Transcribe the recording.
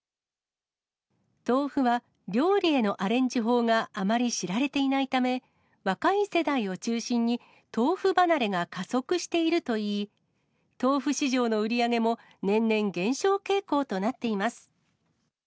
豆腐は料理のアレンジ法があまり知られていないため、若い世代を中心に、豆腐離れが加速しているといい、豆腐市場の売り上げも、年々減少傾向となっています。